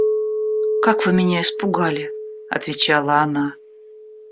Как вы меня испугали, — отвечала она.